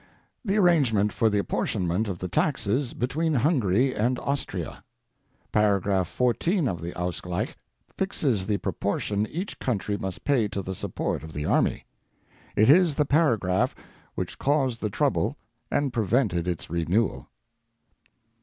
the arrangement for the apportionment of the taxes between Hungary and Austria. Paragraph 14 of the ausgleich fixes the proportion each country must pay to the support of the army. It is the paragraph which caused the trouble and prevented its renewal.